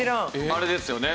あれですよね。